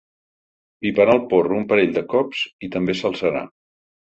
Piparà el porro un parell de cops i també s'alçarà.